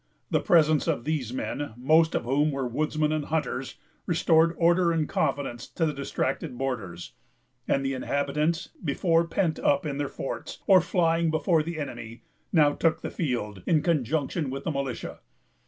The presence of these men, most of whom were woodsmen and hunters, restored order and confidence to the distracted borders; and the inhabitants, before pent up in their forts, or flying before the enemy, now took the field, in conjunction with the militia.